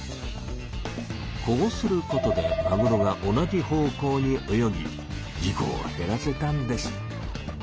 こうすることでマグロが同じ方向に泳ぎ事こを減らせたんです。